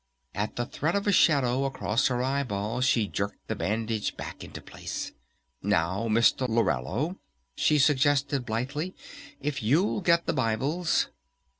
At the threat of a shadow across her eyeball she jerked the bandage back into place. "Now, Mr. Lorello," she suggested blithely, "if you'll get the Bibles...."